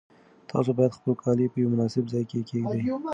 تاسو باید خپل کالي په یو مناسب ځای کې کېږدئ.